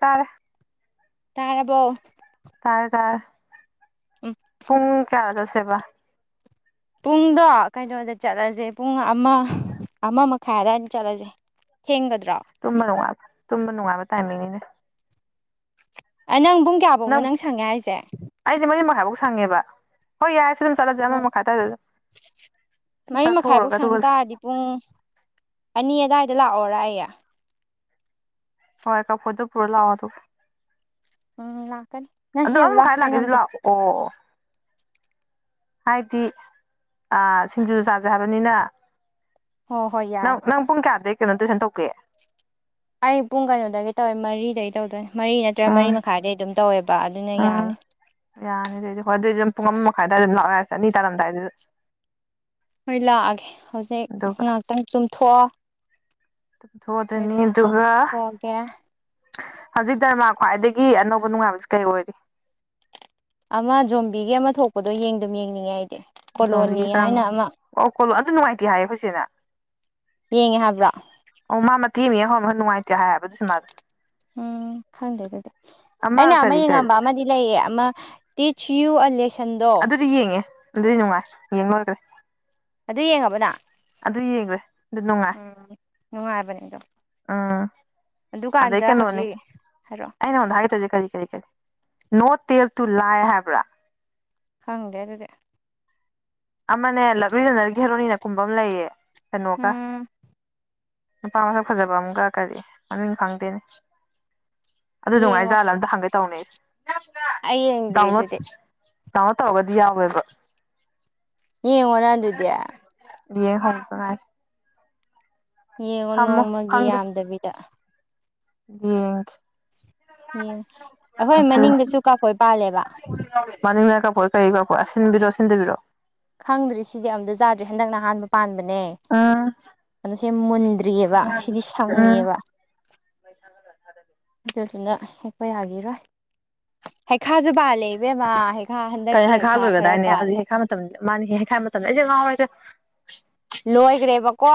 ꯇꯥꯥꯔꯦ ꯇꯥꯔꯕꯣ ꯇꯥꯔꯦ ꯇꯥꯔꯦ ꯎꯝ ꯄꯨꯡ ꯀꯌꯥ ꯆꯠꯁꯦꯕ ꯄꯨꯡꯗꯣ ꯀꯩꯅꯣꯗ ꯆꯠꯂꯁꯦ ꯄꯨꯡ ꯑꯃ ꯑꯃ ꯃꯈꯥꯏ ꯑꯗꯨꯋꯥꯏꯗ ꯆꯠꯂꯁꯦ ꯊꯦꯡꯒꯗ꯭ꯔꯥ ꯇꯨꯝꯕ ꯅꯨꯡꯉꯥꯏꯕ ꯇꯨꯝꯕ ꯅꯨꯡꯉꯥꯏꯕ ꯇꯥꯏꯃꯤꯡꯅꯤꯅꯦ ꯅꯪ ꯄꯨꯡ ꯀꯌꯥꯐꯧꯅꯣ ꯅꯪ ꯁꯪꯉꯦ ꯍꯥꯏꯁꯦ ꯑꯩꯁꯦ ꯃꯔꯤ ꯃꯈꯥꯏꯐꯧ ꯁꯪꯉꯦꯕ ꯍꯣꯏ ꯌꯥꯔꯦꯁꯤ ꯑꯗꯨꯝ ꯆꯠꯂꯁꯦ ꯑꯃ ꯃꯈꯥꯢ ꯑꯗꯨꯋꯥꯢꯗ ꯑꯗꯨꯝ ꯃꯔꯤ ꯃꯈꯥꯏꯐꯧ ꯆꯠꯊꯣꯛꯎꯔꯒ ꯑꯗꯨꯒ ꯁꯪ ꯇꯥꯔꯗꯤ ꯄꯨꯡ ꯑꯅꯤ ꯑꯗꯨꯋꯥꯏꯗ ꯂꯥꯛꯑꯣꯔ ꯑꯩ ꯍꯣꯏ ꯀꯥꯝꯐꯣꯠꯨ ꯄꯨꯔ ꯂꯥꯎꯑꯣ ꯇꯨ ꯎꯝ ꯂꯥꯛꯀꯅꯤ ꯅꯪ ꯑꯗꯣ ꯍꯦꯕ ꯑꯃ ꯂꯥꯛ ꯃꯈꯥꯏ ꯑꯩ ꯂꯥꯛꯀꯦꯁꯨ ꯉꯝꯗꯦ ꯂꯥꯛꯑꯣ ꯍꯥꯏꯗꯤ ꯁꯤꯡꯖꯨ ꯆꯥꯖꯦ ꯍꯥꯏꯕꯅꯤꯅ ꯍꯣꯏ ꯍꯣꯏ ꯅꯪ ꯌꯥꯔꯦ ꯅꯪ ꯄꯨꯡ ꯀꯌꯥꯗꯒꯤ ꯀꯩꯅꯣ ꯇꯨꯏꯁꯟ ꯇꯧꯀꯦ ꯑꯌꯨꯛ ꯄꯨꯡ ꯀꯩꯅꯣꯗꯒꯤ ꯇꯧꯋꯦ ꯃꯔꯤꯗꯒꯤ ꯇꯧꯗꯣꯏꯅꯤ ꯃꯔꯤ ꯅꯠꯇ꯭ꯔꯒ ꯃꯔꯤ ꯎꯝ ꯃꯈꯥꯏꯗꯒꯤ ꯑꯗꯨꯝ ꯇꯧꯋꯦꯕ ꯑꯗꯨꯅ ꯎꯝ ꯌꯥꯅꯤ ꯌꯥꯅꯤ ꯑꯗꯨꯑꯣꯏꯗꯤ ꯍꯣꯏ ꯑꯗꯨꯏꯗꯤ ꯑꯗꯨꯝ ꯄꯨꯡ ꯑꯃ ꯃꯈꯥꯏꯗ ꯑꯗꯨꯝ ꯂꯥꯛꯑꯣ ꯌꯥꯔꯦ ꯑꯅꯤ ꯇꯥꯔꯝꯗꯥꯏꯗ ꯍꯣꯏ ꯂꯥꯛꯑꯒꯦ ꯍꯧꯖꯤꯛ ꯑꯗꯨꯒ ꯉꯍꯥꯛꯇꯪ ꯇꯨꯝꯊꯣꯛꯑꯣ ꯇꯨꯝꯊꯣꯛꯑꯅꯤ ꯑꯩꯁꯨ ꯉꯥꯏꯍꯥꯛꯇꯪ ꯑꯗꯨꯒ ꯆꯠꯊꯣꯛꯑꯒꯦ ꯍꯧꯖꯤꯛ ꯗꯔꯃꯥ ꯈ꯭ꯋꯥꯏꯗꯒꯤ ꯑꯅꯧꯕ ꯅꯨꯡꯉꯥꯏꯕꯁꯤ ꯀꯩ ꯑꯣꯏꯔꯤ ꯑꯃ ꯖꯣꯝꯕꯤꯒꯤ ꯑꯃ ꯊꯣꯛꯄꯗꯣ ꯌꯦꯡꯗꯨꯝ ꯌꯦꯡꯅꯤꯡꯉꯦ ꯑꯩꯗꯤ ꯏꯇꯣꯝꯕꯤꯒꯤ ꯀꯣꯂꯣꯅꯤ ꯀꯔꯝꯕ ꯍꯥꯏꯅ ꯑꯃ ꯑꯣ ꯀꯣꯂꯣ ꯑꯗꯨ ꯅꯨꯡꯉꯥꯏꯇꯦ ꯍꯥꯏꯌꯦ ꯑꯩꯈꯣꯢ ꯆꯦꯅ ꯌꯦꯡꯉꯦ ꯍꯥꯏꯕ꯭ꯔꯥ ꯑꯣ ꯃꯥ ꯃꯇꯦꯛ ꯑꯃ ꯌꯦꯡ ꯍꯧꯔꯝꯃꯒ ꯅꯨꯡꯉꯥꯏꯇꯦ ꯍꯥꯏꯕ ꯑꯗꯨꯢ ꯁꯤꯃꯗꯣ ꯎꯝ ꯈꯪꯗꯦ ꯑꯗꯨꯗꯤ ꯑꯩꯅ ꯑꯃ ꯀꯔꯤ ꯀꯔꯤ ꯌꯦꯡꯉꯝꯕ ꯑꯃꯗꯤ ꯂꯩꯌꯦ ꯑꯃ ꯇꯤꯆ ꯌꯨ ꯑꯂꯦꯁꯟꯗꯣ ꯑꯗꯨꯗꯤ ꯌꯦꯡꯉꯦ ꯑꯗꯨꯗꯤ ꯅꯨꯡꯉꯥꯏ ꯌꯦꯡ ꯂꯣꯢꯈꯔꯦ ꯑꯗꯨ ꯌꯦꯡꯉꯕ ꯅꯪ ꯑꯗꯨ ꯌꯦꯡꯈꯔꯦ ꯎꯝ ꯅꯨꯡꯉꯥꯏꯕꯅꯦ ꯑꯗꯨ ꯎꯝ ꯑꯗꯩ ꯀꯩꯅꯣꯅꯤ ꯍꯧꯖꯤꯛ ꯍꯥꯏꯔꯛꯑꯣ ꯑꯩꯅ ꯅꯉꯣꯟꯗ ꯍꯥꯏꯒꯦ ꯇꯧꯔꯤꯁꯦ ꯀꯔꯤ ꯀꯔꯤ ꯀꯔꯤ ꯅꯣ ꯇꯦꯜ ꯇꯨ ꯂꯥꯏ ꯍꯥꯏꯕ꯭ꯔꯥ ꯈꯪꯗꯦ ꯑꯗꯨꯗꯤ ꯑꯃꯅꯦ ꯂꯛꯂꯤꯗꯅ ꯍꯦꯔꯣꯅꯤꯅ ꯀꯨꯝꯕ ꯑꯃ ꯂꯩꯌꯦ ꯀꯩꯅꯣꯒ ꯎꯝ ꯅꯨꯄꯥ ꯃꯁꯛ ꯐꯖꯕ ꯑꯃꯒ ꯀꯔꯤ ꯃꯃꯤꯡ ꯈꯪꯗꯦꯅꯦ ꯑꯗꯨ ꯌꯦꯡꯉꯣ ꯅꯨꯡꯉꯥꯏꯖꯥꯠꯂ ꯑꯝꯇ ꯍꯪꯒꯦ ꯇꯧꯅꯦ ꯑꯩ ꯌꯦꯡꯗ꯭ꯔꯤ ꯗꯥꯎꯟꯂꯣꯗ ꯑꯗꯨꯗꯤ ꯗꯥꯎꯔꯣꯠ ꯇꯥꯎꯔꯒꯗꯤ ꯌꯥꯎꯋꯦꯕ ꯌꯦꯡꯉꯣꯅ ꯑꯗꯨꯗꯤ ꯌꯦꯡ ꯍꯧꯗ ꯉꯥꯏꯔꯤ ꯌꯦꯡꯉꯣ ꯊꯝꯃꯣ ꯅꯣꯡꯃꯒꯤ ꯈꯪꯗꯦ ꯌꯥꯝꯗꯕꯤꯗ ꯌꯦꯡꯒꯦ ꯑꯩꯈꯣꯏ ꯃꯅꯤꯡꯗꯁꯨ ꯀꯥꯐꯣꯏ ꯄꯥꯜꯂꯦꯕ ꯃꯅꯤꯡꯗ ꯀꯐꯣꯏ ꯀꯔꯤ ꯀꯥꯐꯣꯏ ꯑꯁꯤꯟꯕꯤꯔꯣ ꯁꯤꯟꯗꯕꯤꯔꯣ ꯈꯪꯗ꯭ꯔꯤ ꯁꯤꯗꯤ ꯑꯝꯇ ꯆꯥꯗ꯭ꯔꯤ ꯍꯟꯗꯛꯅ ꯍꯥꯟꯕ ꯄꯥꯟꯕꯅꯦ ꯎꯝ ꯑꯗꯨꯁꯤ ꯃꯨꯟꯗ꯭ꯔꯤꯌꯦꯕ ꯁꯤꯗꯤ ꯎꯝ ꯁꯪꯉꯦꯕ ꯑꯗꯨꯗꯨꯅ ꯍꯦꯛꯄ ꯌꯥꯒꯥꯔꯣꯏ ꯍꯩꯈꯥꯁꯨ ꯄꯥꯜꯂꯦ ꯏꯕꯦꯝꯃꯥ ꯍꯩꯈꯥ ꯍꯟꯗꯛꯀꯤ ꯍꯩꯈꯥ ꯈꯔ ꯄꯥꯜꯂꯦ ꯇꯝꯗ ꯃꯟꯅꯥ ꯍꯦ ꯍꯩꯈꯥ ꯍꯥꯏꯕ ꯃꯇꯝꯗ ꯑꯩꯁꯦ ꯉꯥꯎꯔꯦꯗꯥ ꯂꯣꯏꯒ꯭ꯔꯦꯕꯀꯣ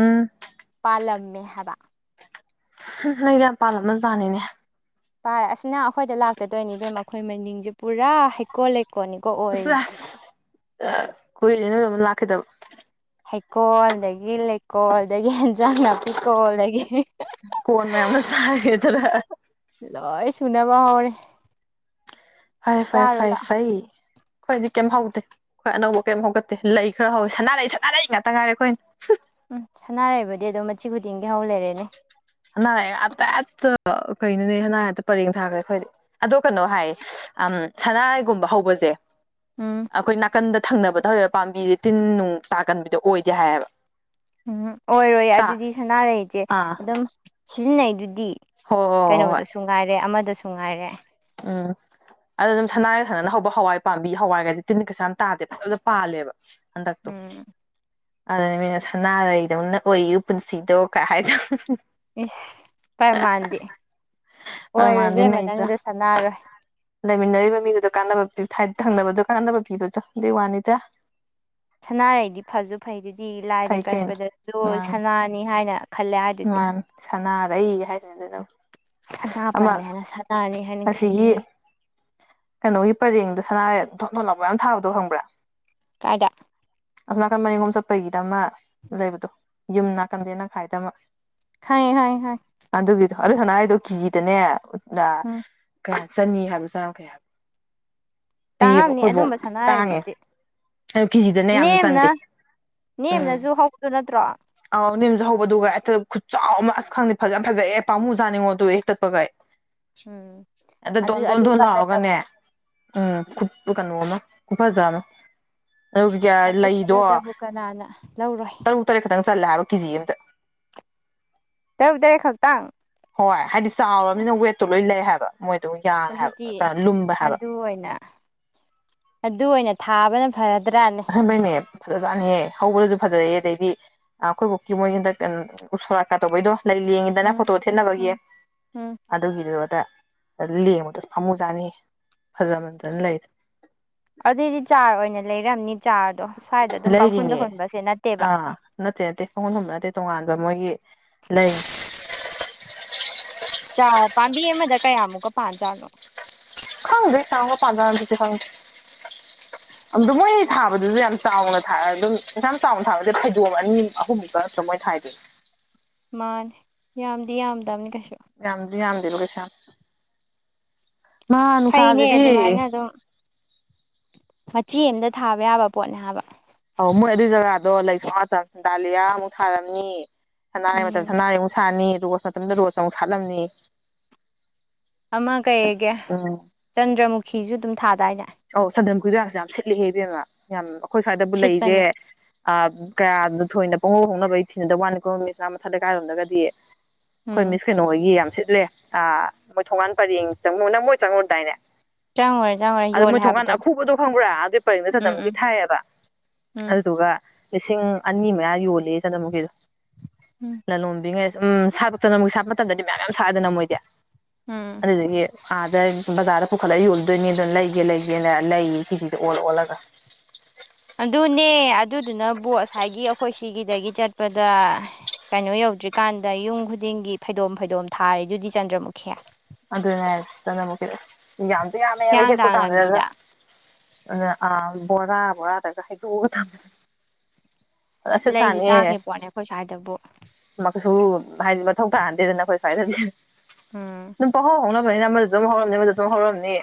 ꯎꯝ ꯄꯥꯜꯂꯝꯃꯦ ꯍꯥꯏꯕ [unintelligible] ꯌꯥꯝ ꯄꯥꯜꯂꯝꯃꯥꯖꯥꯠꯅꯤꯅꯦ ꯄꯜ ꯑꯁꯅꯪ ꯑꯈꯣꯏꯗ ꯂꯥꯛꯇꯥꯇꯣꯏꯅꯤ ꯕꯦꯝꯃꯥ ꯈꯣꯏ ꯃꯅꯤꯡꯁꯦ ꯄꯨꯔꯥ ꯍꯩꯀꯣꯜ ꯂꯩꯀꯣꯜꯅꯤ ꯑꯁ ꯁꯥꯁ [unintelligible] ꯀꯨꯏꯔꯦ ꯅꯣꯏꯔꯣꯝꯗ ꯂꯥꯛꯈꯤꯗꯕ ꯍꯩꯀꯣꯜꯗꯒꯤ ꯂꯩꯀꯣꯜꯗꯒꯤ ꯍꯟꯖꯥꯡ ꯅꯥꯄꯤ ꯀꯣꯜꯗꯒꯤ [unintelligible] ꯀꯣꯟ ꯃꯌꯥꯝꯑꯝꯅ ꯆꯥꯏꯔꯦꯗꯔꯥ [unintelligible] ꯂꯣꯏ ꯁꯨꯅꯕ ꯍꯧꯔꯦ ꯐꯥꯔꯦ ꯐꯥꯔꯦ ꯆꯥꯔꯨ ꯐꯩ ꯐꯩ ꯈꯣꯏꯗꯤ ꯀꯦꯝ ꯍꯧꯗꯦ ꯈꯣꯏ ꯑꯅꯧꯕ ꯀꯦꯝ ꯍꯧꯒꯠꯇꯦ ꯂꯩ ꯈ꯭ꯔꯥ ꯍꯧꯋꯦ ꯁꯥꯅꯥꯔꯩ ꯁꯥꯅꯥꯔꯩ ꯉꯛꯇꯥ ꯉꯥꯏꯔꯦ ꯈꯣꯏꯅ [unintelligible] ꯎꯝ ꯁꯥꯟꯅꯥꯔꯩꯕꯨꯗꯤ ꯑꯗꯨꯝ ꯃꯆꯤ ꯈꯨꯗꯤꯡꯒꯤ ꯍꯧ ꯂꯩꯔꯦꯅꯦ ꯁꯅꯥꯔꯩ [unintelligible] ꯄꯦꯠꯇꯥ ꯀꯩꯅꯣꯅꯦ ꯁꯅꯥꯔꯩ ꯉꯛꯇꯥ ꯄꯔꯦꯡ ꯊꯥ ꯈ꯭ꯔꯦ ꯑꯩꯈꯣꯏꯗꯤ ꯑꯗꯣ ꯀꯩꯅꯣ ꯍꯥꯏ ꯑꯝ ꯁꯥꯟꯅꯥꯔꯩꯒꯨꯝꯕ ꯍꯧꯕꯖꯦ ꯎꯝ ꯑꯈꯣꯏ ꯅꯥꯀꯟꯗ ꯊꯪꯅꯕ ꯇꯧꯔꯤꯕ ꯄꯥꯝꯕꯤꯁꯦ ꯇꯤꯟ ꯅꯨꯡ ꯇꯥꯒꯟꯕꯤꯗꯣ ꯑꯣꯏꯗꯦ ꯍꯥꯏꯌꯦꯕ ꯎꯝ ꯑꯣꯏꯔꯣꯏ ꯇꯥ ꯑꯗꯨꯗꯤ ꯁꯅꯥꯔꯩꯖꯦ ꯑꯥ ꯑꯗꯨꯝ ꯁꯤꯖꯤꯟꯅꯩꯗꯨꯗꯤ ꯍꯣꯏ ꯍꯣꯏ ꯍꯣꯏ ꯍꯣꯏ ꯀꯩꯅꯣꯗꯁꯨ ꯉꯥꯏꯔꯦ ꯑꯃꯗꯁꯨ ꯉꯥꯏꯔꯦ ꯎꯝ ꯑꯗꯨꯗꯨꯝ ꯁꯥꯟꯅꯔꯩ ꯐꯥꯖꯅ ꯍꯧꯕ ꯍꯋꯥꯏ ꯄꯥꯝꯕꯤ ꯍꯋꯥꯏꯒꯁꯦ ꯇꯤꯟ ꯀꯩꯥꯁꯨ ꯌꯥꯝ ꯇꯥꯗꯦ ꯐꯥꯖ ꯐꯥꯖꯕ ꯄꯥꯜꯂꯦꯕ [unintelligible] ꯍꯗꯥꯛꯇꯣ [unintelligible] ꯎꯝ ꯑꯗꯨꯅ ꯃꯤꯅ ꯁꯅꯥꯔꯩꯗꯧꯅ ꯑꯣꯏꯌꯨ ꯄꯨꯟꯁꯤꯗꯣ ꯀꯥꯏ ꯍꯥꯏꯗꯣ [unintelligible] ꯏꯁ ꯄ꯭ꯔꯃꯥꯟꯗꯤ ꯑꯣꯏꯔꯣꯏ ꯄ꯭ꯔꯃꯥꯟꯗꯤ ꯕꯦꯝꯃꯥ ꯂꯩꯇ꯭ꯔꯥ ꯅꯪꯗꯣ ꯁꯥꯟꯅꯔꯣꯏ ꯂꯩꯃꯤꯟꯅꯔꯤꯕ ꯃꯤꯗꯨꯗ ꯀꯥꯟꯅꯕꯤꯄꯤ ꯊꯠ ꯊꯪꯅꯕꯗꯨ ꯀꯥꯟꯅꯕ ꯄꯤꯕꯆꯣ ꯗꯨꯏꯋꯥꯅꯦꯗꯥ ꯁꯅꯥꯔꯩꯗꯤ ꯐꯥꯁꯨ ꯐꯩꯗꯨꯏꯗꯤ ꯂꯥꯏꯗ ꯐꯩ ꯀꯩꯅꯣ ꯀꯠꯄꯗꯁꯨ ꯃꯥꯅꯤ ꯁꯥꯅꯥꯅꯤ ꯍꯥꯏꯅ ꯈꯜꯂꯦ ꯍꯥꯏꯗꯨꯗꯤ ꯃꯥꯅꯤ ꯁꯟꯅꯥꯔꯩ ꯍꯥꯏꯁꯤꯅ ꯗꯨꯅꯕꯨ ꯁꯥꯟꯅꯥ ꯄꯜꯂꯦ ꯍꯥꯏꯅ ꯁꯥꯟꯅꯔꯦ ꯑꯁꯤꯒꯤ ꯀꯩꯅꯣꯒꯤ ꯄꯔꯦꯡꯗ ꯁꯥꯅꯥꯔꯩ ꯊꯣꯠ ꯊꯣꯟ ꯂꯥꯎꯕ ꯌꯥꯝ ꯊꯥꯕꯗꯣ ꯈꯪꯕ꯭ꯔꯥ? ꯀꯥꯏꯗꯥ? ꯑꯁꯣꯝ ꯅꯀꯥꯟ ꯃꯅꯤꯡꯔꯣꯝ ꯆꯠꯄꯥꯒꯤꯗ ꯑꯃꯥ ꯂꯩꯕꯗꯣ ꯌꯨꯝ ꯅꯥꯛꯀꯟ ꯌꯦꯅꯈꯥꯏꯗ ꯑꯃ ꯈꯪꯉꯦ ꯈꯪꯉꯦ ꯈꯪꯉꯦ ꯑꯗꯨꯒꯤꯗꯣ ꯑꯗꯨ ꯁꯥꯅꯥꯔꯩꯗꯣ ꯀꯤꯖꯤꯗꯅꯦ [unintelligible] ꯑꯥ ꯎꯝ ꯀꯩꯍꯥꯏꯕ ꯆꯥꯅꯤ ꯍꯥꯏꯕ꯭ꯔꯣ ꯆꯝꯃꯥꯈꯩ ꯍꯥꯏꯕ꯭ꯔꯣ ꯄꯤꯌꯦꯕ ꯇꯥꯡꯉꯝꯅꯤ ꯑꯣꯈꯣꯏꯕꯣꯛ ꯑꯗꯨꯝꯕ ꯇꯥꯡꯉꯦ ꯁꯅꯥꯔꯩꯗꯨꯗꯤ ꯑꯗꯨ ꯀꯤꯖꯤꯗꯅꯦ ꯌꯥꯝꯁꯨ ꯅꯦꯝꯅ ꯆꯟꯗꯦ ꯎꯝ ꯅꯦꯝꯅꯁꯨ ꯍꯧꯕꯗꯨ ꯅꯠꯇ꯭ꯔꯣ? ꯑꯧ ꯅꯦꯝꯖꯨ ꯍꯧꯕꯗꯨꯒ ꯍꯦꯛꯇꯥ ꯈꯨꯠꯆꯥꯎ ꯑꯃ ꯑꯁ ꯈꯪꯗꯦ ꯐꯥꯖꯥ ꯐꯖꯩꯌꯦ ꯄꯥꯝꯃꯨ ꯖꯠꯅꯤꯉꯣ ꯗꯨꯏ ꯍꯦꯛꯇꯠꯄꯒꯩ ꯎꯝ ꯑꯗꯨ ꯗꯣꯟ ꯗꯣꯟ ꯇꯣꯟ ꯂꯥꯎꯒꯅꯦ ꯎꯝ ꯈꯨ ꯀꯩꯅꯣꯃꯥ ꯈꯨꯐꯖꯥ ꯑꯃ ꯑꯗꯨꯒ ꯀ꯭ꯌꯥꯏ ꯑꯗꯨ ꯂꯩꯗꯣ ꯀꯠꯂꯗꯕꯨ ꯀꯅꯥꯅ ꯂꯧꯔꯣꯏ ꯇꯔꯨꯛ ꯇꯔꯦꯠ ꯈꯛꯇꯪ ꯆꯜꯂꯦ ꯍꯥꯏꯕ ꯀꯦꯖꯤ ꯑꯃꯗꯥ ꯇꯔꯨꯛ ꯇꯔꯦꯠ ꯈꯛꯇꯪ? ꯍꯣꯏ ꯍꯥꯏꯗꯤ ꯆꯥꯎꯔꯕꯅꯤꯅ ꯑꯁ ꯋꯦꯠꯇꯣ ꯂꯣꯏ ꯂꯩ ꯍꯥꯏꯕ ꯃꯣꯏꯗꯣ ꯌꯥꯡꯉꯦ ꯍꯥꯏꯕ ꯀꯥ ꯂꯨꯝꯕꯩ ꯍꯥꯏꯕ ꯍꯣꯏꯅꯥ ꯑꯗꯨ ꯑꯣꯏꯅ ꯊꯥꯕꯅ ꯐꯥꯔꯗ꯭ꯔꯥꯟ [unintelligible] ꯅꯦ ꯐꯖꯥꯠꯅꯦꯍꯦ ꯍꯧꯕꯗꯁꯨ ꯐꯖꯩꯑꯦ ꯑꯗꯩꯗꯤ ꯑꯩꯈꯣꯏ ꯕꯨꯀꯤ ꯃꯣꯏꯒꯤꯗ ꯎꯁꯣꯔꯥꯠꯀ ꯇꯧꯕꯩꯗꯣ ꯂꯩ ꯂꯦꯡꯉꯤꯗꯅ ꯎꯝ ꯐꯣꯇꯣ ꯊꯦꯠꯅꯕꯒꯤ ꯎꯝ ꯎꯝ ꯑꯗꯨꯒꯤꯗꯨ ꯑꯗ ꯂꯦꯡꯕꯗꯁꯨ ꯐꯃꯨ ꯆꯥꯅꯤ ꯐꯖꯃꯖꯅ ꯂꯩꯗꯣ ꯑꯗꯨꯏꯗꯤ ꯆꯥꯔ ꯑꯣꯏꯅ ꯂꯩꯔꯝꯅꯤ ꯆꯥꯔꯗꯣ ꯁ꯭ꯋꯥꯏꯗ ꯑꯗꯨꯝ ꯄꯥꯡꯈꯨꯟꯗ ꯂꯩꯔꯤꯅꯦ ꯍꯨꯟꯕꯁꯦ ꯅꯠꯇꯦꯕ ꯑꯥ ꯅꯠꯇꯦ ꯅꯠꯇꯦ ꯈꯣꯡꯒꯟ ꯍꯨꯝꯕ ꯅꯠꯇꯦ ꯇꯣꯉꯥꯟꯕ ꯃꯣꯏꯒꯤ ꯂꯩ ꯄꯥꯝꯕꯤ ꯑꯃꯗ ꯀꯌꯥꯃꯨꯛꯀ ꯄꯥꯖꯥꯠꯅꯣ ꯈꯪꯗ ꯁꯥꯡꯒ ꯄꯗꯗꯤ [unintelligible] [inaudible] ꯑꯗꯣ ꯃꯣꯏ ꯊꯥꯕꯗꯨꯁꯨ ꯌꯥꯝ ꯆꯥꯎꯅ ꯊ ꯑꯗꯨꯝ ꯑꯦꯁꯥ ꯆꯥꯎꯅ ꯊꯥꯕꯁꯦ ꯐꯩꯗꯣꯛꯑ ꯑꯅꯤ ꯑꯍꯨꯝ ꯈ ꯃꯣꯏ ꯊꯥꯏꯗꯤ ꯃꯥꯅꯤ ꯌꯥꯝꯗꯤ ꯌꯥꯝꯗꯕꯅꯤ ꯀꯩꯁꯨ ꯌꯥꯝꯗꯤ ꯌꯥꯝꯗꯦꯂꯣ ꯀꯩꯁꯥ ꯌꯥꯝ ꯃꯥ ꯐꯩꯅꯦ ꯅꯨꯡꯁꯥꯁꯤꯗꯤ ꯑꯗꯨꯃꯥꯏꯅ ꯑꯗꯨꯝ ꯃꯆꯤ ꯑꯃꯝꯗ ꯊꯥꯕ ꯌꯥꯕ ꯄꯣꯠꯅꯦ ꯍꯥꯏꯕ ꯑꯣꯧ ꯃꯣꯏ ꯑꯗꯨꯏ ꯖꯒꯥꯗꯣ ꯂꯩꯁꯨ ꯉꯥꯛꯇ ꯗꯥꯂꯤꯌꯥꯃꯨꯛ ꯊꯥꯔꯝꯅꯤ ꯁꯅꯥꯔꯤ ꯃꯇꯝꯗ ꯎꯝ ꯁꯅꯥꯔꯩ ꯑꯃꯨꯛ ꯁꯥꯔꯅꯤ ꯔꯣꯁ ꯃꯇꯝꯗ ꯔꯣꯁ ꯑꯃꯨꯛ ꯁꯥꯠꯂꯝꯅꯤ ꯑꯃ ꯀꯩꯒꯤꯦ ꯎꯝ ꯆꯟꯗ꯭ꯔꯃꯨꯈꯤꯁꯨ ꯑꯗꯨꯝ ꯊꯥꯗꯥꯏꯅꯦ ꯑꯧ ꯆꯟꯗ꯭ꯔ ꯀꯨꯏꯗꯔꯥꯁꯨ ꯌꯥꯝ ꯁꯤꯠꯂꯤꯑꯦꯕꯦꯝꯃ ꯌꯥꯝ ꯑꯩꯈꯣꯏ ꯁ꯭ꯋꯥꯏꯗꯕꯨ ꯂꯩꯁꯦ ꯁꯤꯠꯄꯅꯦ ꯑ ꯀꯌꯥꯅꯣ ꯊꯣꯏꯅ ꯄꯣꯡꯍꯧ ꯍꯧꯣꯡꯅꯕꯒꯤ ꯊꯤꯅꯗꯕ ꯋꯥꯅꯤ ꯀꯣ ꯅꯨꯃꯤꯁꯅꯥ ꯃꯊꯠ ꯂꯩꯀꯥꯏꯔꯣꯝꯗꯒꯗꯤ ꯑꯩꯈꯣꯏ ꯎꯝ ꯃꯤꯁ ꯀꯩꯅꯣꯈꯣꯏꯒꯤ ꯌꯥꯝ ꯁꯤꯠꯂꯦ ꯑ ꯃꯣꯏ ꯊꯣꯡꯒꯥꯟ ꯄꯔꯦꯡ ꯆꯪꯉꯨ ꯅꯪ ꯃꯣꯏ ꯆꯪꯉꯨꯔꯗꯥꯏꯅꯦ ꯆꯪꯡꯉꯨꯔꯦ ꯆꯪꯡꯉꯨꯔꯦ ꯑꯗꯨꯗ ꯃꯣꯏ ꯊꯣꯡꯀꯥꯟ ꯑꯈꯨꯕꯗꯣ ꯈꯪꯕ꯭ꯔꯥ ꯑꯗꯨꯒꯤ ꯄꯔꯤꯡꯗ ꯎꯝ ꯆꯠꯅꯃꯨꯛꯤ ꯎꯝ ꯊꯥꯏꯑꯦꯕ ꯎꯝ ꯑꯗꯨꯗꯨꯒ ꯂꯤꯁꯤꯡ ꯑꯅꯤ ꯃꯌꯥ ꯌꯣꯜꯂꯦ ꯆꯅ ꯃꯨꯛꯀꯤꯗꯣ ꯎꯝ ꯂꯂꯣꯝꯕꯤꯉꯩ ꯎꯝ ꯁꯥꯔꯛꯇꯅ ꯃꯨꯣꯏꯛ ꯁꯥꯠꯄ ꯃꯇꯝꯗꯗꯤ ꯃꯌꯥꯝ ꯌꯥꯝ ꯁꯥꯛꯗꯅ ꯃꯣꯏꯗꯤ ꯍꯥꯝ ꯑꯗꯨꯗꯒꯤ ꯑꯥꯗ ꯕꯖꯥꯔꯗ ꯄꯨꯈꯠꯂꯒ ꯌꯣꯜꯗꯣꯏꯅꯤ ꯑꯗꯨꯅ ꯂꯩ ꯦ ꯂꯩꯁꯦꯅ ꯂꯩꯌꯦꯤꯖꯤꯗ ꯑꯣꯜꯂ ꯑꯣꯜꯂꯒ ꯑꯗꯨꯅꯦ ꯑꯗꯨꯗꯨꯅꯕꯨꯕꯣ ꯉꯁꯥꯏꯒꯤ ꯑꯩꯈꯣꯏ ꯁꯤꯒꯤꯗꯒꯤ ꯆꯠꯄꯗ ꯀꯩꯅꯣ ꯌꯧꯗ꯭ꯔꯤꯀꯥꯟꯗ ꯌꯨꯝ ꯈꯨꯗꯤꯡꯒꯤ ꯐꯩꯗꯣꯝ ꯐꯩꯗꯣꯝ ꯊꯥꯔꯦ ꯑꯗꯨꯗꯤ ꯆꯟꯗ꯭ꯔꯃꯨꯛꯈꯤ ꯑꯗꯨꯅꯗ ꯌꯥꯃꯕꯦ ꯀꯨ [unintelligible] ꯍꯤꯌꯥꯡꯊꯥꯡ ꯑ ꯂꯝꯕꯤꯗ ꯑ ꯕꯣꯔꯥ ꯕꯣꯔꯥ ꯇꯒ ꯍꯗꯨ ꯊꯝ ꯂꯩꯁꯨ ꯇꯥꯡꯉꯦ ꯄꯣꯠꯅꯦ ꯑꯩꯈꯣꯏ ꯁ꯭ꯋꯥꯏꯗꯕꯨ ꯃꯁꯨ ꯍꯥꯏꯗꯤ ꯃꯊꯧ ꯇꯥꯍꯟꯗꯦꯗꯅ ꯅꯈꯣꯏ ꯁ꯭ꯋꯥꯏꯗꯗꯤ ꯎꯝ ꯑꯗꯨꯝ ꯄꯥꯎꯍꯥꯎ ꯍꯧꯥꯎꯅꯕꯅꯤꯅ ꯑꯃꯗ ꯑꯗꯨꯨꯝ ꯍꯧꯔꯝꯅꯤ ꯑꯥꯃꯗꯨꯗ ꯁꯨꯝ ꯍꯧꯔꯝꯅꯤ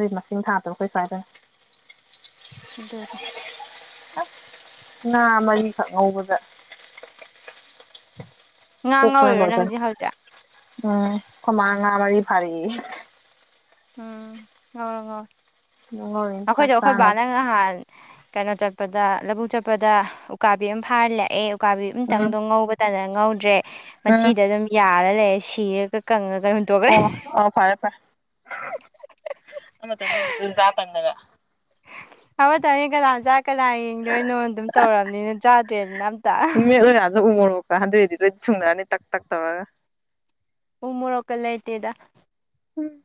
ꯅꯣꯏ ꯃꯁꯤꯡ ꯊꯥꯗꯕꯣ ꯑꯩꯈꯣꯏ ꯀꯥꯏꯗꯅ ꯑꯗꯨꯅꯦ ꯉꯥ ꯃꯔꯤꯈꯛ ꯉꯧꯕꯗ ꯉꯥ ꯉꯧꯔꯤꯔꯣ ꯄꯁ ꯅꯪꯁꯦ ꯍꯧꯖꯤꯛ ꯎꯝ ꯀꯃꯥ ꯉꯥ ꯃꯔꯤ ꯐꯔꯤ ꯎꯝ ꯉꯧꯔꯣ ꯉꯧꯔꯣ [unintelligible] ꯅꯈꯣꯏꯁꯨꯣ ꯑꯩꯈꯣꯏ ꯕꯥ ꯆꯥꯅꯕ ꯅꯪꯅꯥꯟ ꯀꯩꯅꯣ ꯆꯠꯄꯗ ꯂꯧꯕꯨꯛ ꯆꯠꯄꯗ ꯎꯀꯥꯕꯤ ꯑꯃ ꯐꯥꯔ ꯂꯥꯛꯑꯦ ꯎꯀꯥꯕꯤ ꯎꯝ ꯑꯃꯇꯪꯗꯣ ꯉꯧꯕꯗ ꯇꯅ ꯉꯧꯗ꯭ꯔꯦ ꯎꯝ ꯃꯆꯤꯗ ꯑꯗꯨꯝ ꯌꯥꯔ ꯂꯩꯔꯦ ꯁꯤꯔꯒ ꯀꯪꯉꯒ ꯍꯨꯟꯇꯣꯛꯈ꯭ꯔꯦ ꯑꯣ ꯑꯣ ꯐꯔꯦ ꯐꯔꯦ ꯑꯃꯇꯪ ꯉꯧꯕꯖꯨ ꯆꯥ ꯇꯟꯗꯅ ꯑꯃꯠꯇꯅꯤ ꯀꯅꯥ ꯆ ꯀꯅꯥ ꯌꯦꯡꯗꯣꯏꯅꯣ ꯑꯗꯨꯝ ꯇꯧꯔꯕꯔꯕꯅꯤꯅ ꯆꯥꯗ꯭ꯔꯦꯗꯅ ꯑꯝꯇ ꯑ ꯑꯗꯨꯣ [unintelligible] ꯀꯗꯣꯏꯗꯣꯏ ꯁꯨꯡꯅꯅꯤ ꯇꯛ ꯇꯛ ꯇꯧꯒ ꯎ ꯃꯣꯔꯣꯛꯀ ꯂꯩꯇꯦꯗ ꯎꯝ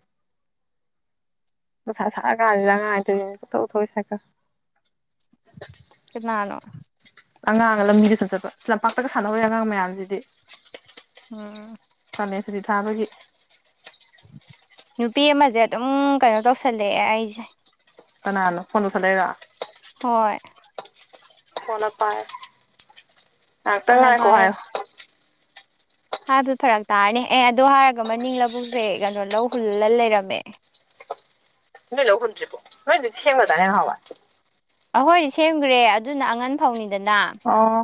ꯅꯨꯡꯁꯥ ꯁꯥꯔꯀꯟꯁꯤꯗꯥ ꯑꯉꯥꯡ ꯑꯅꯤ ꯇꯧꯁꯤ ꯌꯦꯡꯉꯨꯅꯦ ꯄꯥꯡꯊꯧ ꯊꯧꯏ ꯁꯥꯏꯀꯜ [unintelligible] ꯀꯅꯥꯅꯣ? ꯑꯉꯥꯡꯒ ꯂꯝꯕꯤꯗꯁꯨꯨꯝ ꯆꯠꯄꯥ ꯂꯝꯄꯥꯛꯇꯒ ꯁꯥꯟꯅꯧꯍꯧꯔꯤ ꯑꯉꯥꯡ ꯃꯌꯥꯝꯁꯤꯗꯤ ꯎꯝ ꯀꯥꯂꯟ ꯁꯨꯇꯤ ꯊꯥꯕꯒꯤ ꯅꯨꯄꯤ ꯑꯃꯖꯦ ꯑꯗꯨꯝ ꯀꯩꯅꯣ ꯇꯧꯁꯜꯂꯛꯑꯦ ꯑꯩꯁꯦ ꯀꯟꯅꯥꯅꯣ ꯐꯣꯟ ꯇꯧꯁꯟ ꯂꯛꯏꯔꯣ? ꯍꯣꯏ ꯀꯣꯟꯅ ꯄꯥꯏ ꯉꯛꯇꯛ ꯀꯣꯟꯅ ꯉꯥꯏꯈꯣ ꯄꯥꯏꯔ ꯍꯥꯏꯌꯣ ꯍꯥꯏꯕ ꯐꯔꯛ ꯇꯥꯔꯅꯤ ꯑꯦ ꯑꯗꯨ ꯍꯥꯏꯔꯒ ꯃꯅꯤꯡ ꯂꯧꯕꯨꯛꯁꯦ ꯀꯩꯅꯣ ꯂꯧ ꯍꯨꯜꯂꯥ ꯂꯩꯔꯝꯃꯦ ꯅꯣꯏ ꯂꯧ ꯍꯨꯟꯗ꯭ꯔꯤꯕꯣ ꯅꯣꯏ ꯍꯧꯖꯤꯛ ꯁꯦꯝꯈ꯭ꯔꯗꯥꯏꯅꯦ ꯅꯍꯟꯋꯥꯏ? ꯑꯍꯣꯏꯗꯤ ꯁꯦꯝꯈ꯭ꯔꯦ ꯑꯗꯨꯅ ꯑꯉꯟ ꯐꯧꯅꯤꯗꯅ ꯑꯣ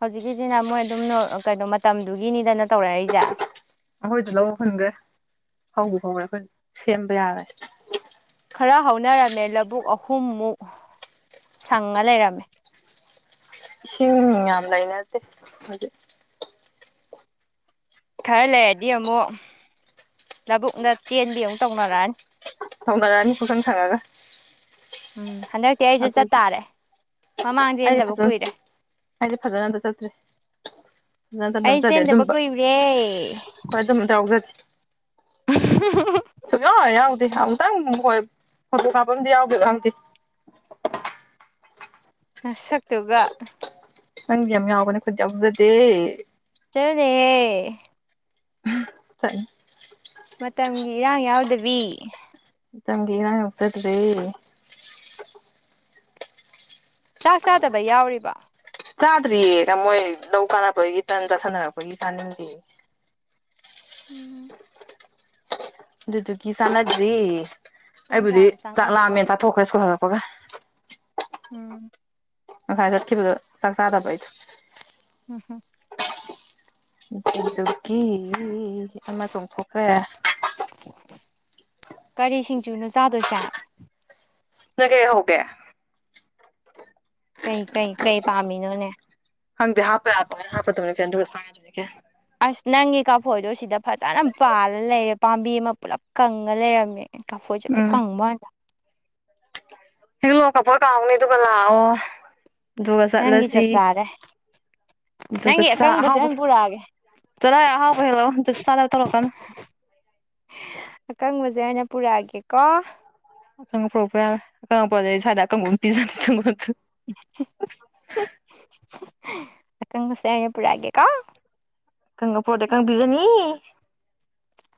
ꯍꯧꯖꯤꯛꯀꯤꯁꯤꯅ ꯃꯣꯏ ꯑꯗꯨꯝ ꯅꯣꯔ ꯀꯩꯅꯣ ꯃꯇꯝꯗꯨꯒꯤꯅꯤꯗꯅ ꯇꯧꯔꯛꯏꯖꯦ ꯑꯈꯣꯏꯁꯨ ꯂꯧ ꯍꯨꯟꯈ꯭ꯔꯦ ꯍꯧꯕꯨ ꯍꯧꯔꯦ ꯑꯈꯣꯏꯗꯤ ꯁꯦꯝꯕ ꯌꯥꯔꯦ ꯈꯔꯥ ꯍꯧꯅꯔꯝꯃꯦ ꯂꯧꯕꯨꯛ ꯑꯍꯨꯝꯃꯨꯛ ꯁꯪꯉꯥ ꯂꯩꯔꯝꯃꯦ ꯏꯁꯤꯡ ꯌꯥꯝ ꯂꯩꯅꯗꯦ ꯈꯣꯏꯖꯤꯛ ꯈꯔ ꯂꯩꯔꯗꯤ ꯑꯃꯨꯛ ꯂꯥꯕꯨꯛꯎꯨꯡꯗꯥ ꯆꯦꯟꯕꯤꯒ ꯑꯃꯨꯛ ꯇꯧꯅꯔꯛꯑꯅꯤ ꯇꯧꯅꯔꯛꯑꯅꯤ ꯄꯨꯡꯁꯪ ꯁꯪꯉꯥꯒꯥ ꯎꯝ ꯍꯟꯗꯛꯇꯤ ꯑꯩꯁꯨ ꯑꯗꯨꯒꯤ ꯆꯠꯇꯥꯥꯔꯦ ꯃꯃꯥꯡ ꯑꯩꯗꯤ ꯆꯦꯟꯗꯕ ꯐꯖꯅ ꯀꯨꯏꯔꯦ ꯑꯩꯗꯤ ꯐꯖꯟꯅ ꯑꯝꯇꯥ ꯆꯠꯇ꯭ꯔꯤ ꯐꯖꯅ ꯆꯠꯅ ꯑꯩ ꯆꯠꯇꯦ ꯆꯦꯟꯗꯕ ꯑꯗꯨꯝꯕ ꯀꯨꯏꯔꯦ ꯑꯈꯣꯏ ꯑꯗꯨꯝ ꯑꯝꯇꯥ ꯌꯥꯎꯖꯗꯦ [unintelligible] ꯁꯨꯛꯌꯥꯎꯍꯦ ꯌꯥꯎꯗꯦ ꯑꯃꯨꯛꯇꯪ ꯍꯣꯏ ꯐꯣꯇꯣ ꯀꯥꯞꯄ ꯑꯝꯗꯤ ꯌꯥꯎꯈꯤꯕ꯭ꯔ ꯈꯪꯗꯦ ꯅꯥꯁꯛꯇꯨꯒ ꯅꯪꯗꯤ ꯌꯝ ꯌꯥꯎꯕꯅꯦ ꯑꯈꯣꯏꯗꯤ ꯌꯥꯎꯖꯗꯦ ꯆ꯭ꯔꯔꯥꯅꯦꯍꯦ ꯆꯠꯅꯤ ꯃꯇꯝꯒꯤ ꯏꯔꯥꯡ ꯌꯥꯎꯗꯕꯤ ꯃꯇꯝꯒꯤ ꯏꯔꯥꯡ ꯌꯥꯎꯖꯗ꯭ꯔꯦ ꯆꯥꯛ ꯆꯥꯗꯕ ꯌꯥꯎꯔꯤꯕꯣ? ꯆꯥꯗ꯭ꯔꯤꯌꯦ [unintelligible] ꯃꯣꯏ ꯂꯧ ꯀꯥꯔꯛꯄꯗꯒꯤ ꯇꯟ ꯆꯥꯁꯟꯅꯔꯛꯄꯒꯤ ꯆꯥꯅꯤꯡꯗꯦꯌꯦ ꯎꯝ ꯑꯗꯨꯗꯨꯒꯤ ꯆꯥꯟꯅꯗ꯭ꯔꯤ ꯄꯨꯡ ꯑꯩꯕꯨꯗꯤ ꯀꯌꯥꯗ ꯆꯥꯛ ꯆꯥꯟꯅꯗꯣꯏꯕ ꯂꯥꯛꯃꯦꯟꯅ ꯆꯥꯊꯣꯛꯈ꯭ꯔꯦ ꯁ꯭ꯀꯨꯜ ꯍꯜꯂꯛꯄꯒ ꯎꯝ ꯉꯁꯥꯏ ꯆꯠꯈꯤꯕꯗꯣ ꯆꯥꯛ ꯆꯥꯗꯕ ꯑꯩꯗꯣ ꯎꯝ ꯍꯨꯝ ꯗꯨꯗꯨꯒꯤ ꯑꯃ ꯆꯣꯡꯊꯣꯛꯈ꯭ꯔꯦ ꯀꯔꯤꯁꯤꯡ [unintelligible] ꯅꯣꯏ ꯀꯩ ꯍꯧꯒꯦ? ꯀꯩ ꯀꯩ ꯀꯩ ꯄꯥꯝꯃꯤꯅꯣꯅꯦ? ꯈꯪꯗꯦ ꯍꯥꯞꯄꯥ ꯌꯥꯕ ꯈꯩꯅ ꯍꯥꯞꯄꯥ ꯗꯕꯅꯦ [unintelligible] ꯑꯁ ꯅꯪꯒꯤ ꯀꯥꯐꯣꯏꯗꯣ ꯁꯤꯗ ꯐꯖꯅ ꯄꯥꯜꯂ ꯂꯩꯔꯦ ꯄꯥꯝꯕꯤ ꯑꯃ ꯄꯨꯂꯞ ꯀꯪꯉꯥ ꯂꯩꯔꯝꯃꯦ ꯅꯪ ꯀꯥꯐꯣꯏꯖꯦ ꯂꯣꯏ ꯎꯝ ꯀꯪꯕ꯭ꯋꯟꯅꯦꯗ ꯍꯦꯛꯂꯛꯑꯣ ꯀꯥꯐꯣꯏ ꯀꯥꯎꯅꯤ ꯑꯗꯨꯒ ꯂꯥꯛꯑꯣ ꯑꯗꯨꯒ ꯅꯪꯒꯤ ꯆꯠꯂꯁꯤ ꯆꯞ ꯆꯥꯔꯦ ꯗꯨꯒꯥ ꯅꯪꯒꯤ ꯆꯥ ꯑꯀꯪꯕꯁꯦ ꯑꯍꯥꯎꯕ ꯑꯣꯏꯅ ꯄꯨꯔꯛꯑꯒꯦ ꯆꯠꯂꯣꯍꯦ ꯑꯍꯥꯎꯕ ꯍꯦꯛꯂꯛꯑꯣ ꯖꯨꯠ ꯆꯥꯗꯕ ꯇꯧꯔꯛꯀꯅꯨ ꯑꯀꯪꯕꯁꯦ ꯑꯣꯏꯅ ꯄꯨꯔꯛꯑꯒꯦꯀꯣ꯫ ꯑꯀꯪꯕ ꯄꯨꯔꯛꯄ ꯌꯥꯔꯣꯏ ꯑꯀꯪꯕ ꯄꯨꯔꯛꯑꯗꯤ ꯁ꯭ꯋꯥꯏꯗ ꯑꯀꯪꯕ ꯑꯗꯨꯝ ꯄꯤꯖꯅꯤ ꯅꯪꯉꯣꯟꯗ꯫ ꯑꯀꯪꯕꯁꯦ ꯑꯣꯏꯅ ꯄꯨꯔꯛꯑꯒꯦ ꯀꯣ꯫ ꯑꯀꯪꯕ ꯄꯣꯔꯛꯑꯗꯤ ꯑꯀꯪꯕ ꯄꯤꯖꯅꯤ꯫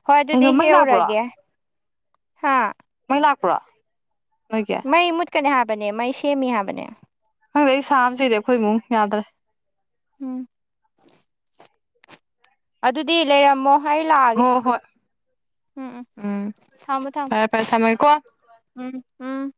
ꯍꯣꯏ ꯑꯗꯨꯗꯤ ꯀꯩꯅꯣ ꯃꯩ ꯂꯥꯛꯄ꯭ꯔꯣ ꯍꯦꯛꯎꯔꯒꯦ꯫ ꯃꯩ ꯂꯥꯛꯄ꯭ꯔꯣ? ꯅꯣꯏꯒꯤ꯫ ꯃꯩ ꯃꯨꯠꯀꯅꯤ ꯍꯥꯏꯕꯅꯦ, ꯃꯩ ꯁꯦꯝꯃꯤ ꯍꯥꯏꯕꯅꯦ꯫ ꯈꯪꯗꯦ ꯑꯩ ꯁꯥꯕꯅ ꯁꯤꯔꯦ ꯑꯩꯈꯣꯏ ꯏꯃꯨꯡ ꯌꯥꯗ꯭ꯔꯦ꯫ [inaudible] ꯑꯗꯨꯗꯤ ꯂꯩꯔꯝꯃꯣ꯫ ꯑꯩ ꯍꯣ ꯂꯛꯑꯒꯦ ꯍꯣꯏ ꯎꯝ ꯎꯝ ꯊꯝꯃꯣ ꯊꯝꯃꯣ꯫ ꯐꯔꯦ ꯐꯔꯦ ꯊꯝꯃꯒꯦꯀꯣ [unintelligible]